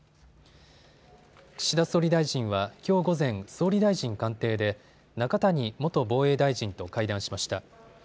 岸田総理大臣はきょう午前、総理大臣官邸で中谷元防衛大臣と会談しました。